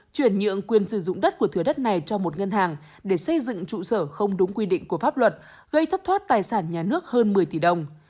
chuyển nhượng quyền sử dụng đất của thứ đất này cho một ngân hàng để xây dựng trụ sở không đúng quy định của pháp luật gây thất thoát tài sản nhà nước hơn một mươi tỷ đồng